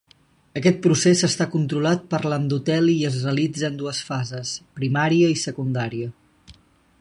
Aquest procés està controlat per l'endoteli i es realitza en dues fases: primària i secundària.